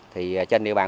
thì trên địa bàn